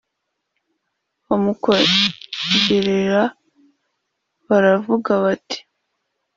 Bamukoreraga f baravuga bati